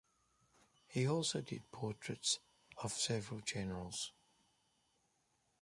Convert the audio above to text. He also did portraits of several generals.